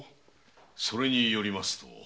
それによりますと。